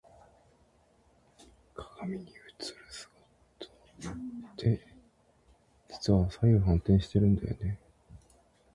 鏡に映る姿って、実は左右反転してるんだよね。